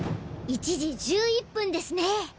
１時１１分ですね。